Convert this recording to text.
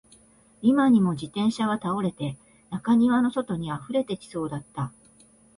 今にも自転車は倒れて、中庭の外に溢れてきそうだった